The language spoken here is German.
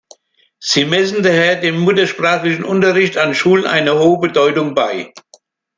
Sie messen daher dem muttersprachlichen Unterricht an Schulen eine hohe Bedeutung bei.